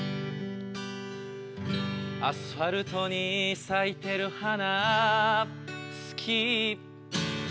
アスファルトに咲いてる花好き